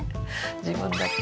自分だけ。